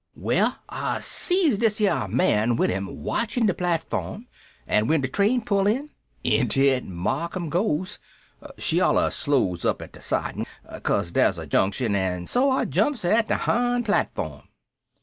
"Wall, I sees dis yere man with 'im watchin' de platform an' wen de train pull in, inter it Marcum goes. She alluz slows up at de sidin' cause dere's a junction, an' so I jumps 'er, at de hind platform.